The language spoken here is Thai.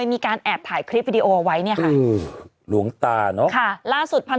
เมื่อ